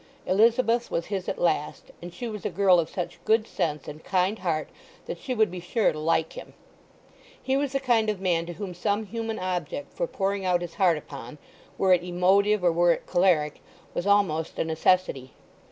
Elizabeth was his at last and she was a girl of such good sense and kind heart that she would be sure to like him. He was the kind of man to whom some human object for pouring out his heart upon—were it emotive or were it choleric—was almost a necessity.